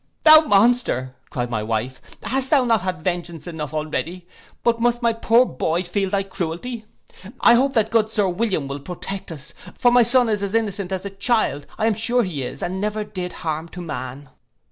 'Thou monster,' cried my wife, 'hast thou not had vengeance enough already, but must my poor boy feel thy cruelty. I hope that good Sir William will protect us, for my son is as innocent as a child; I am sure he is, and never did harm to man.